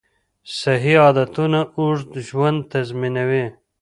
صحي عادتونه اوږد ژوند تضمینوي.